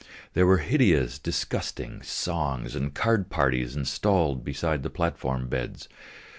There were hideous, disgusting songs and card parties installed beside the platform beds.